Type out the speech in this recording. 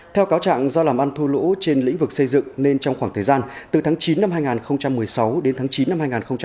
theo cáo trạng do làm ăn thua lỗ trên lĩnh vực xây dựng nên trong khoảng thời gian từ tháng chín năm hai nghìn một mươi sáu đến tháng chín năm hai nghìn một mươi bảy